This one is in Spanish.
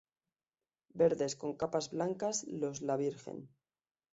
Verdes, con capas blancas, los la Virgen.